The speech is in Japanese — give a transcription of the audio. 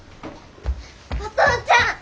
お父ちゃん！